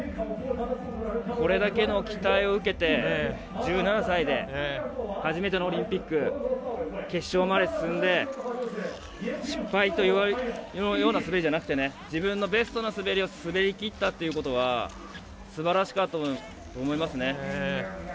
これだけの期待を受けて１７歳で初めてのオリンピック決勝まで進んで失敗といわれるような滑りではなくて自分のベストな滑りを滑りきったということはすばらしかったと思いますね。